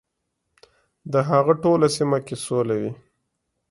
د هغه ټوله سیمه کې سوله وي .